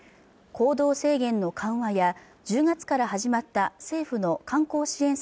行動制限の緩和や１０月から始まった政府の観光支援策